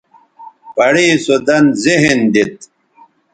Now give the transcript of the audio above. پڑےسو دَن ذہن دیت